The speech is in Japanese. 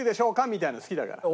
みたいなの好きだから。